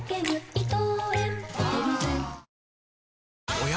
おや？